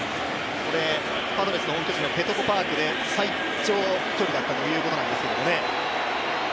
これ、パドレスの本拠地のペトコパークで最長距離だったということなんですけどね。